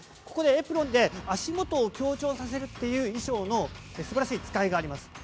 ここでエプロンで足元を強調させるという衣装のすばらしい使いがあります。